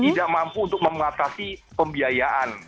tidak mampu untuk mengatasi pembiayaan